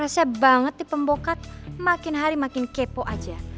rasanya banget di pembokat makin hari makin kepo aja